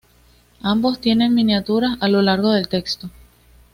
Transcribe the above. Ambos tienen miniaturas a lo largo del texto.